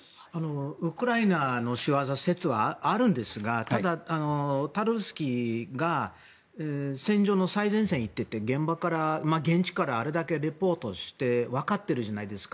ウクライナの仕業説はあるんですがただ、タタルスキーが戦場の最前線に行っていて現地からあれだけレポートして分かっているじゃないですか。